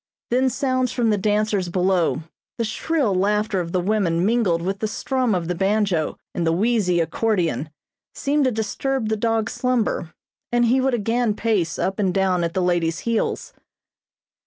Then sounds from the dancers below, the shrill laughter of the women mingled with the strum of the banjo and the wheezy accordion seemed to disturb the dog's slumber, and he would again pace up and down at the lady's heels.